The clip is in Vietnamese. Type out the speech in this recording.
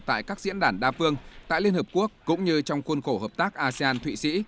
tại các diễn đàn đa phương tại liên hợp quốc cũng như trong khuôn khổ hợp tác asean thụy sĩ